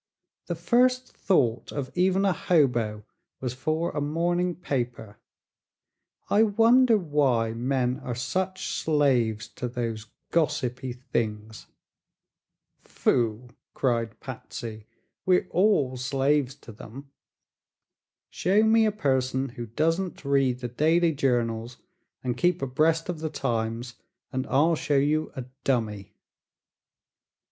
"The first thought of even a hobo was for a morning paper. I wonder why men are such slaves to those gossipy things." "Phoo!" cried Patsy; "we're all slaves to them. Show me a person who doesn't read the daily journals and keep abreast of the times and I'll show you a dummy."